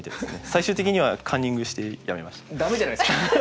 最終的にはカンニングしてやめました。